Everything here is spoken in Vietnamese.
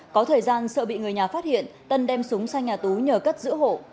có thời gian sợ bị người nhà phát hiện tân đem súng sang nhà tú nhờ cất giữ hộ